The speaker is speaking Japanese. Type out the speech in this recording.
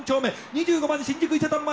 ２５番新宿伊勢丹前。